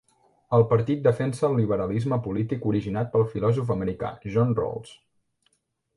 El partit defensa el liberalisme polític originat pel filòsof americà, John Rawls.